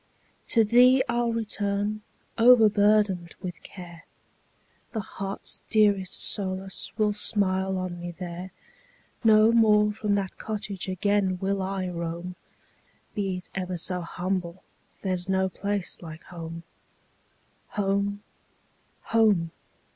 To thee I 'll return, overburdened with care; The heart's dearest solace will smile on me there; No more from that cottage again will I roam; Be it ever so humble, there 's no place like home. Home! home!